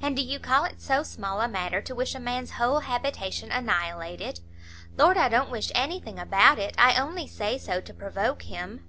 "And do you call it so small a matter to wish a man's whole habitation annihilated?" "Lord, I don't wish anything about it! I only say so to provoke him."